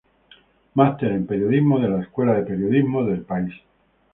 Máster en Periodismo de la Escuela de Periodismo El País.